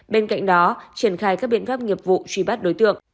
bên cạnh đó triển khai các biện pháp nghiệp vụ truy bắt đối tượng